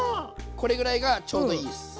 これぐらいがちょうどいいです。